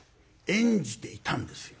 演じていたんですよ。